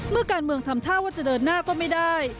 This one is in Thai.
เมื่อการเมืองทำท่าว่าจะเดินหน้าก็ไม่ได้